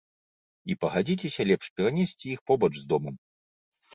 І пагадзіцеся, лепш перанесці іх побач з домам.